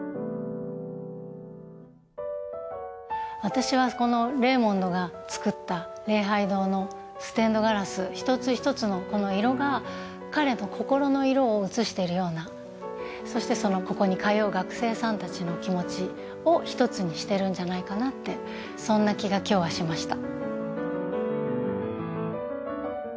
私はこのレーモンドが造った「礼拝堂」のステンドグラス一つ一つのこの色が彼の心の色を映しているようなそしてここに通う学生さんたちの気持ちを一つにしてるんじゃないかなってそんな気が今日はしました。